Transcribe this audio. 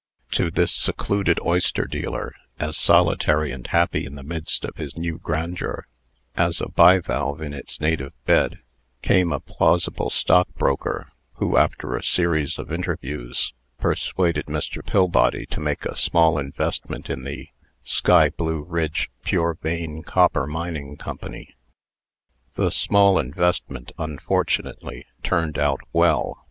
To this secluded oyster dealer, as solitary and happy in the midst of his new grandeur as a bivalve in its native bed, came a plausible stockbroker, who, after a series of interviews, persuaded Mr. Pillbody to make a small investment in the "Sky Blue Ridge Pure Vein Copper Mining Company." The small investment unfortunately turned out well.